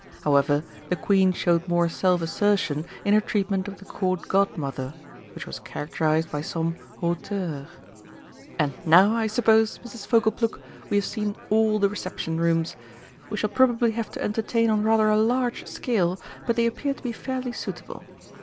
However, the Queen showed more self assertion in her treatment of the Court Godmother, which was characterised by some hauteur. "And now, I suppose, Mrs. Fogleplug, we have seen all the Reception Rooms. We shall probably have to entertain on rather a large scale, but they appear to be fairly suitable.